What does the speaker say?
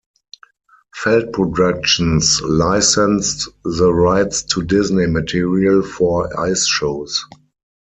Feld Productions licensed the rights to Disney material for ice shows.